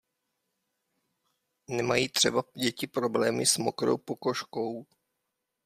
Nemají třeba děti problémy s mokrou pokožkou?